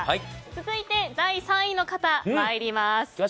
続いて第３位の方、参ります。